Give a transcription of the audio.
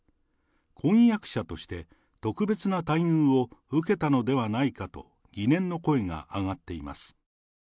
婚約者として、特別な待遇を受けたのではないかと疑念の声が上がっています。